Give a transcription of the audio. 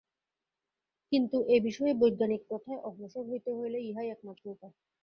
কিন্তু এ-বিষয়ে বৈজ্ঞানিক প্রথায় অগ্রসর হইতে হইলে ইহাই একমাত্র উপায়।